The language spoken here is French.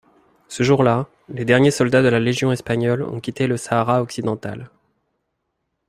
Ce jour-là, les derniers soldats de la Légion espagnole ont quitté le Sahara occidental.